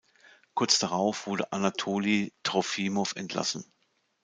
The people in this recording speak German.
Kurz darauf wurde Anatoli Trofimow entlassen.